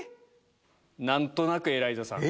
何となくエライザさん。